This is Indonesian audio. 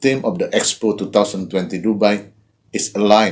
dan memperbaiki kekuatan dan kekuatan yang berkaitan dengan